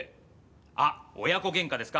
あっ親子げんかですか？